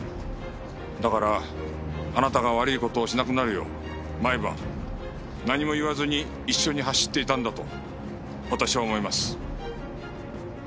だからあなたが悪い事をしなくなるよう毎晩何も言わずに一緒に走っていたんだと私は思います。